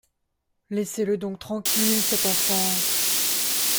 Laissez-le donc tranquille, cet enfant !…